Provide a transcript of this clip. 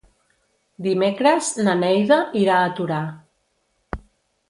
Dimecres na Neida irà a Torà.